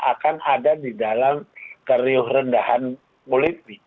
akan ada di dalam keriuh rendahan politik